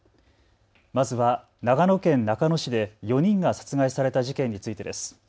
まずは長野県中野市で４人が殺害された事件についてです。